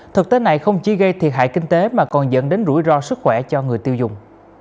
thực tế này không chỉ gây thiệt hại kinh tế mà còn dẫn đến rủi ro sức khỏe cho người tiêu dùng